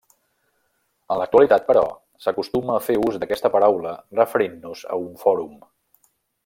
En l'actualitat, però, s'acostuma a fer ús d'aquesta paraula referint-nos a un fòrum.